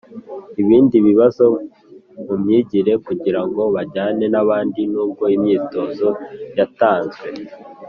ibindi bibazo mu myigire kugira ngo bajyane n’abandi. Nubwo imyitozo yatanzwe